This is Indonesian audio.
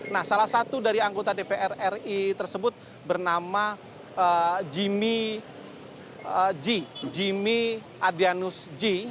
nah salah satu dari anggota dpr ri tersebut bernama jimmy jimmy adrianus j